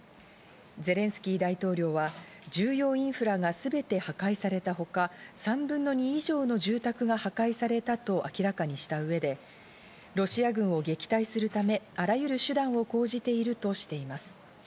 ゼレンスキー大統領は、重要インフラがすべて破壊されたほか、３分の２以上の住宅が破壊されたと明らかにした上で、ロシア軍を撃退するため、あらゆる手段を講じているとしています。